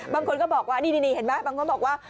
บางคนก็บอกว่านี่เห็นไหมบางคนบอกว่า